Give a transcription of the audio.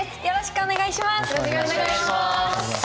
よろしくお願いします。